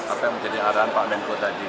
apa yang menjadi arahan pak menko tadi